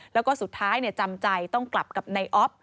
แล้วก็สุดท้ายจำใจต้องกลับกับนายอ๊อฟ